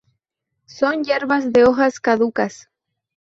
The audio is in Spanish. Son hierbas de hojas caducas.